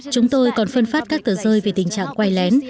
chúng tôi còn phân phát các tờ rơi về tình trạng quay lén